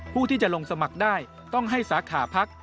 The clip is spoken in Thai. ผู้ที่จะลงสมัครได้ต้องให้สาขาพัก